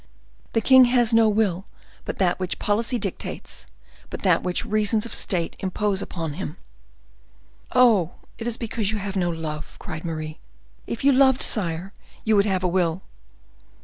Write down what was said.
"The king has no will but that which policy dictates, but that which reasons of state impose upon him." "Oh! it is because you have no love," cried Mary; "if you loved, sire, you would have a will."